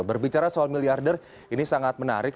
berbicara soal miliarder ini sangat menarik